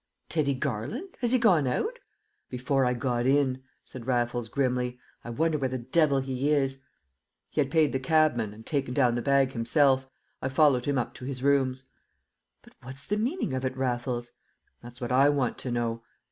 "Teddy Garland? Has he gone out?" "Before I got in," said Raffles, grimly. "I wonder where the devil he is!" He had paid the cabman and taken down the bag himself. I followed him up to his rooms. "But what's the meaning of it, Raffles?" "That's what I want to know."